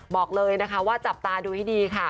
บอกเลยนะคะว่าจับตาดูให้ดีค่ะ